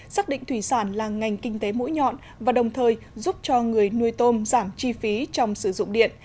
xác định thủy sản là ngành kinh tế mũi nhọn và đồng thời giúp cho người nuôi tôm giảm chi phí trong sử dụng điện